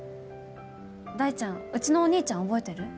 大ちゃんうちのお兄ちゃん覚えてる？